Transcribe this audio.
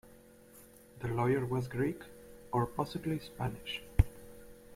The lawyer was Greek, or possibly Spanish.